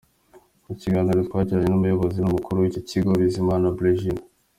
Mu kiganiro twagiranye n’umuyobozi mukuru w’iki Kigo, Bizimana Blegine,.